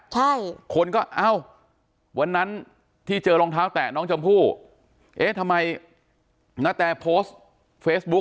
ใช่คนก็เอ้าวันนั้นที่เจอรองเท้าแตะน้องชมพู่เอ๊ะทำไมณแตโพสต์เฟซบุ๊ก